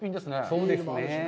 そうですね。